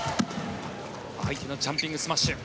相手のジャンピングスマッシュ。